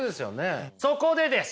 そこでです。